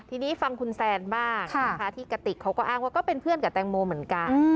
ทีนี้ฟังคุณแซนบ้างนะคะที่กระติกเขาก็อ้างว่าก็เป็นเพื่อนกับแตงโมเหมือนกัน